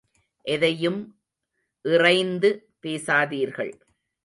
எதையும் இறைந்து பேசாதீர்கள்.